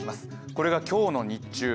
これが今日の日中。